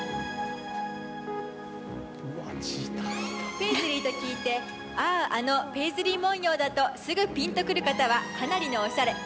ペイズリーと聞いて、ああ、あのペイズリー紋様だとすぐ、ピンとくる方はかなりのおしゃれ。